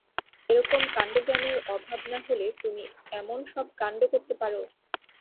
এরকম কান্ডজ্ঞানের অভাব না হলে তুমি এমন সব কান্ড করতে পারো!